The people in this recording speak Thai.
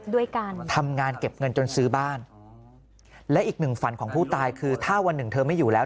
ด้วยการทำงานเก็บเงินจนซื้อบ้านและอีกหนึ่งฝันของผู้ตายคือถ้าวันหนึ่งเธอไม่อยู่แล้ว